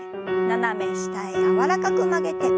斜め下へ柔らかく曲げて。